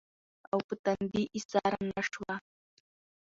او پۀ تندې ايساره نۀ شوه